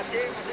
nggak ada kantor